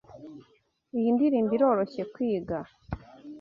Iyi ndirimbo iroroshye kwiga.